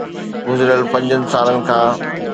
گذريل پنجن سالن کان